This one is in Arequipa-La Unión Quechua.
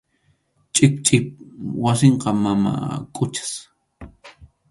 Chikchip wasinqa mama Quchas.